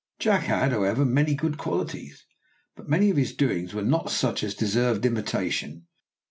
Jack had, however, many good qualities, but many of his doings were not such as deserved imitation.